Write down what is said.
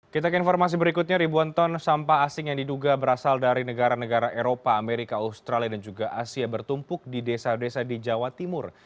kita ke informasi berikutnya ribuan ton sampah asing yang diduga berasal dari negara negara eropa amerika australia dan juga asia bertumpuk di desa desa di jawa timur